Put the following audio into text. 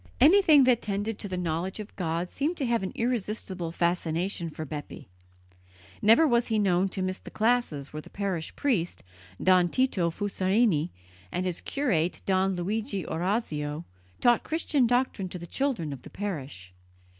Anything that tended to the knowledge of God seemed to have an irresistible fascination for Bepi. Never was he known to miss the classes where the parish priest, Don Tito Fusarini, and his curate, Don Luigi Orazio, taught Christian doctrine to the children of the parish.